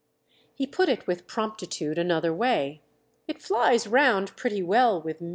He put it with promptitude another way. "It flies round pretty well with Mr——!"